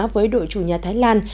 với đội chủ nhà thái lan